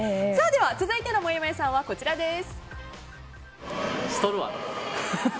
続いてのもやもやさんはこちらです。